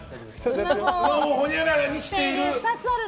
スマホをほにゃららにしている。